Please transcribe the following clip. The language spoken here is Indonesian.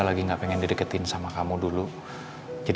jangan dulu ya